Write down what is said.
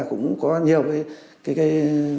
cũng có nhiều cái